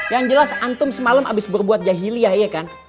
yang jelas antum semalam abis berbuat jahiliyah ya kan